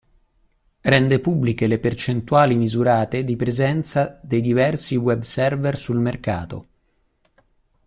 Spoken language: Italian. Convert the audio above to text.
Rende pubbliche le percentuali misurate di presenza dei diversi web server sul mercato.